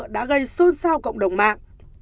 đã gây xôn xao cộng đồng mạng